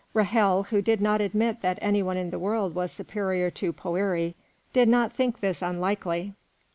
Ra'hel, who did not admit that any one in the world was superior to Poëri, did not think this unlikely.